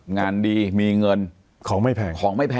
งานดีมีเงินของไม่แพง